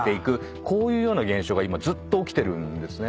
こういうような現象が今ずっと起きてるんですね。